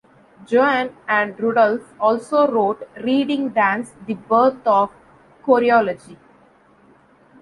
Joan and Rudolf also wrote "Reading Dance: The Birth of Choreology".